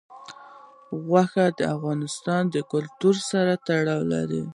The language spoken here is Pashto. غوښې د افغان کلتور سره تړاو لري.